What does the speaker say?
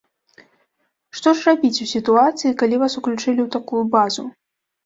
Што ж рабіць у сітуацыі, калі вас уключылі ў такую базу?